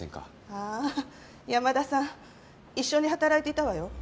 ああ山田さん一緒に働いていたわよ。